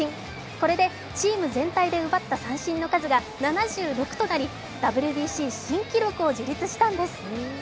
これでチーム全体で奪った三振の数が７６となりＷＢＣ新記録を樹立したんです。